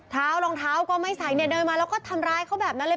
รองเท้าก็ไม่ใส่เนี่ยเดินมาแล้วก็ทำร้ายเขาแบบนั้นเลย